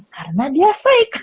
karena dia fake